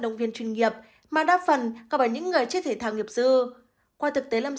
động viên chuyên nghiệp mà đa phần gặp ở những người chơi thể thao nghiệp dư qua thực tế lâm